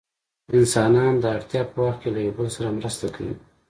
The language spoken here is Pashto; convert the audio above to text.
انسانان د اړتیا په وخت کې له یو بل سره مرسته کوي.